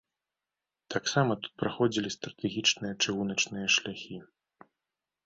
Таксама тут праходзілі стратэгічныя чыгуначныя шляхі.